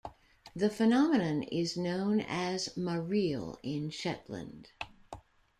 The phenomenon is known as "mareel" in Shetland.